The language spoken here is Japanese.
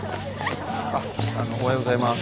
あっあのおはようございます。